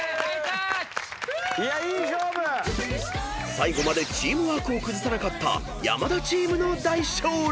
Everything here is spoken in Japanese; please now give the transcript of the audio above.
［最後までチームワークを崩さなかった山田チームの大勝利！］